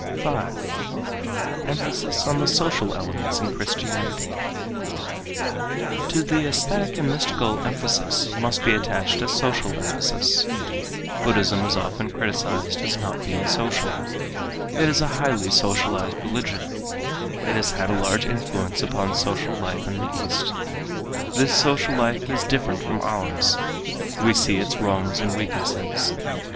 5. Emphasis on the Social Elements in Christianity To the aesthetic and mystical emphasis must be attached a social emphasis. Buddhism is often criticized as not being social. It is a highly socialized religion. It has had a large influence upon social life in the East. This social life is different from ours. We see its wrongs and weaknesses.